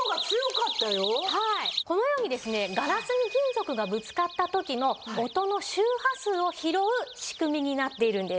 このようにですねガラスに金属がぶつかった時の音の周波数を拾う仕組みになっているんです。